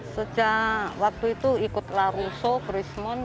sejak waktu itu ikut laruso ke rismon